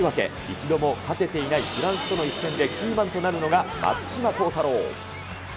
一度も勝てていないフランスとの一戦で、キーマンとなるのが松島幸太朗。